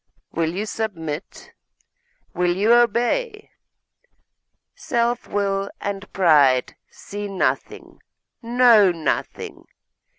Will you submit? Will you obey? Self will and pride see nothing, know nothing.